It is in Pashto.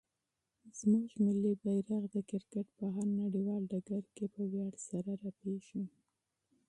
زموږ ملي بیرغ د کرکټ په هر نړیوال ډګر کې په ویاړ سره رپېږي.